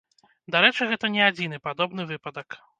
Дарэчы, гэта не адзіны падобны выпадак.